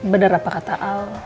benar apa kata al